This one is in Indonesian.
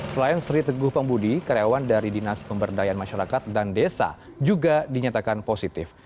selain sri teguh pembudi karyawan dari dinas pemberdayaan masyarakat dan desa juga dinyatakan positif